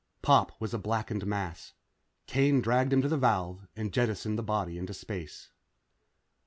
Pop was a blackened mass. Kane dragged him to the valve and jettisoned the body into space.